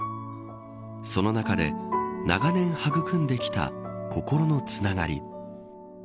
その中で長年育んできた心のつながり。